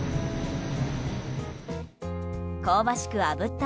香ばしくあぶった